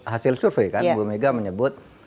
hasil survei kan ibu megawati menyebut